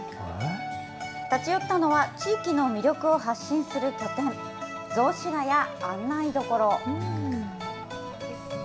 立ち寄ったのは、地域の魅力を発信する拠点、雑司が谷案内処。